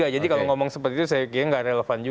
jadi kalau ngomong seperti itu saya kira nggak relevan juga